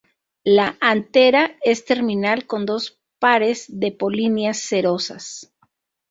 La antera es terminal con dos pares de polinias cerosas.